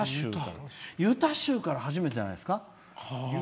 ユタ州から初めてじゃないですか。